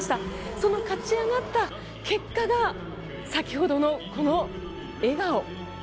その勝ち上がった結果が先ほどのこの笑顔。